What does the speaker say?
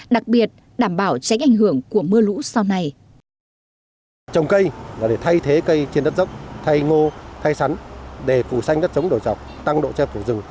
đặc biệt đảm bảo tránh ảnh hưởng của mưa lũ sau này